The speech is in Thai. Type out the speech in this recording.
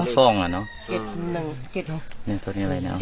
๖ซ่องน่ะนี่ตัวนี้อะไรนะ๗๒ป่ะ